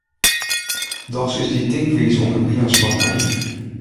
Dochs is dy tinkwize ûnderwilens wat nayf.